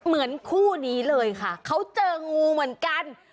เหมือนคู่นี้เลยค่ะเขาเจองูเหมือนกัน